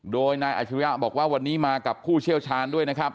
โดยนายอาชิริยะบอกว่าวันนี้มากับผู้เชี่ยวชาญด้วยนะครับ